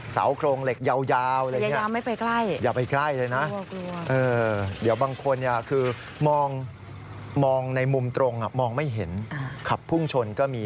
โครงเหล็กยาวอะไรอย่างนี้